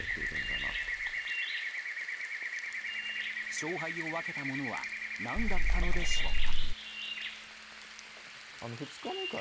勝敗を分けたものは何だったのでしょうか。